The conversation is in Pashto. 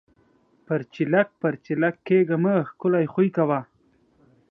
پَرچېلک پَرچېلک کېږه مه! ښکلے خوئې کوه۔